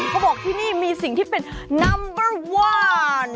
เขาบอกที่นี่มีสิ่งที่เป็นนัมบรวาล